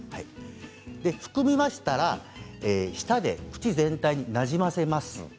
含みましたら舌で口全体になじませます。